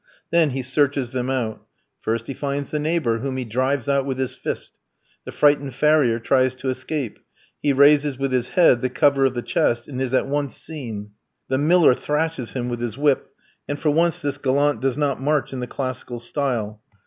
Then he searches them out. First, he finds the neighbour, whom he drives out with his fist. The frightened farrier tries to escape. He raises, with his head, the cover of the chest, and is at once seen. The miller thrashes him with his whip, and for once this gallant does not march in the classical style.